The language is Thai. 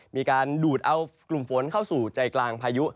มีการดูดเอากลุ่มฝนเข้าสู่ใจกลางพายุ